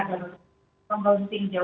kita sebelumnya menerima orang yang berpengaruh